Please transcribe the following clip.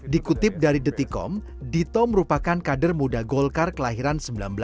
dikutip dari detikom dito merupakan kader muda golkar kelahiran seribu sembilan ratus sembilan puluh